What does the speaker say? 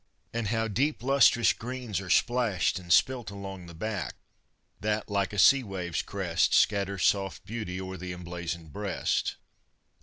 And how deep, lustrous greens are splashed and spilt Along the back, that like a sea wave's crest Scatters soft beauty o'er th' emblazoned breast!